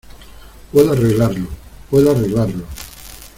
puedo arreglarlo. puedo arreglarlo .